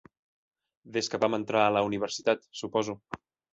Des que vam entrar a la universitat, suposo.